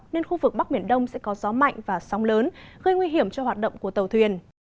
nên khu vực bắc biển đông sẽ có gió mạnh và sóng lớn gây nguy hiểm cho hoạt động của tàu thuyền